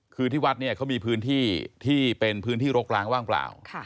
คือที่วัดเนี่ยเขามีพื้นที่ที่เป็นพื้นที่รกล้างว่างเปล่า